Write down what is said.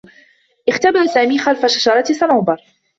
اختبأ سامي خلف شجرة صنوبر.